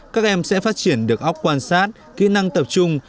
các em sẽ phát triển được ốc quan sát kỹ năng tập trung